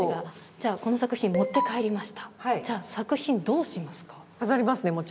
じゃあ作品どうしますか？